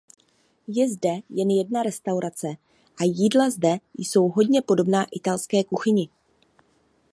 Je zde jen jedna restaurace a jídla zde jsou hodně podobná Italské kuchyni.